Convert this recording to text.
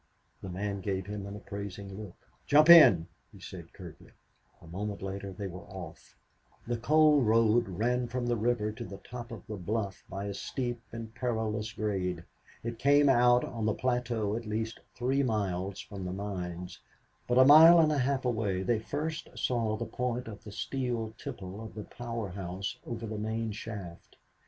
The man gave him an appraising look. "Jump in," he said curtly. A moment later they were off. The coal road ran from the river to the top of the bluff by a steep and perilous grade. It came out on the plateau at least three miles from the mines, but a mile and a half away they first saw the point of the steel tipple of the power house over the main shaft.